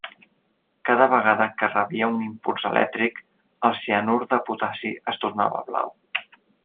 Cada vegada que rebia un impuls elèctric, el cianur de potassi es tornava blau.